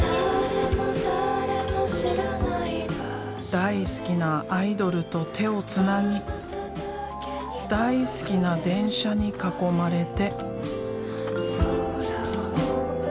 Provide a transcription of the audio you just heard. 大好きなアイドルと手をつなぎ大好きな電車に囲まれて。